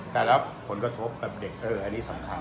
แต่รับผลกระทบกับเด็กเอออันนี้สำคัญ